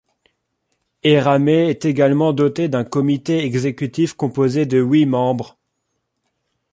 Eramet est également doté d'un comité exécutif composé de huit membres.